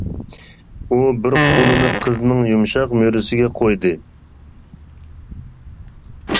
ئۇ بىر قولىنى قىزنىڭ يۇمشاق مۈرىسىگە قويدى.